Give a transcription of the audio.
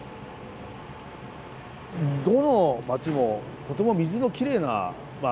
どの街もとても水のきれいなまあ